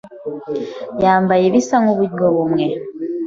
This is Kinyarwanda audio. yambaye ibisa nkuburyo bumwe.